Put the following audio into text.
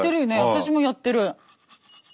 私もやってる。